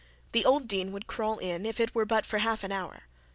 The old dean would crawl in, if it were but for half an hour.